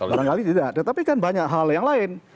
barangkali tidak tetapi kan banyak hal yang lain